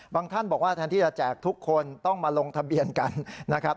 ท่านบอกว่าแทนที่จะแจกทุกคนต้องมาลงทะเบียนกันนะครับ